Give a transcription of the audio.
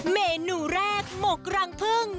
เมนูแรกหมกรังพึ่ง